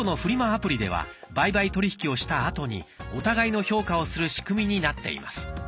アプリでは売買取り引きをしたあとにお互いの評価をする仕組みになっています。